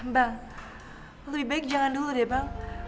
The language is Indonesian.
bang lebih baik jangan dulu deh bang